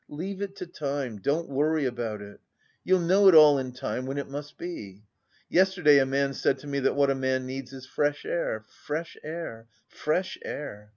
Leave it to time, don't worry about it. You'll know it all in time when it must be. Yesterday a man said to me that what a man needs is fresh air, fresh air, fresh air.